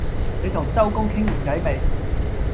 你同周公傾完偈未？